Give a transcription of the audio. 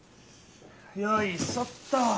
よいしょっと！